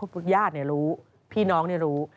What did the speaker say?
พวกญาติเนี่ยรู้พี่น้องเนี่ยรู้